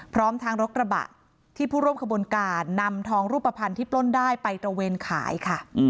พร้อมทางรถกระบะที่ผู้ร่วมขบวนการนำทองรูปภัณฑ์ที่ปล้นได้ไปตระเวนขายค่ะ